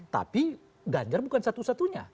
tapi ganjar bukan satu satunya